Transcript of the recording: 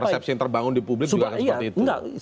persepsi yang terbangun di publik juga akan seperti itu